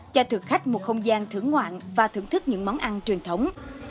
cho thực khách một không gian thưởng ngoạn và thưởng thức những món ăn truyền thống